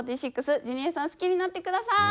ジュニアさん好きになってください！